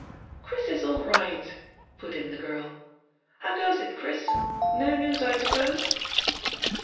" "Chris is all right,'* put in the girL ^*How goes it, Cliris? No news, I suppose?"